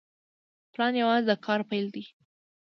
پلان یوازې د کار پیل دی.